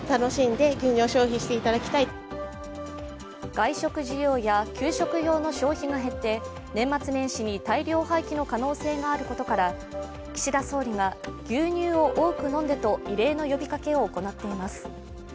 外食需要や給食用の消費が減って年末年始に大量廃棄の可能性があることから、岸田総理が、牛乳を多く飲んでと異例の呼びかけを行っています。